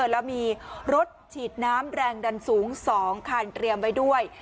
แล้วมีรถฉีดน้ำแรงดันสูง๒คันเตรียมไว้ด้วย